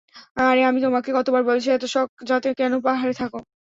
আরে আমি তোমাকে কতবার বলেছি এতো শখ যাতে কেন পাহাড়ে থাকো?